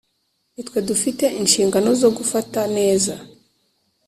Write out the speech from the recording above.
Ni twe dufite inshingano zo gufata neza